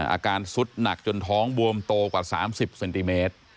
อาการสุดหนักจนท้องบวมโตกว่า๓๐เซนติเมตร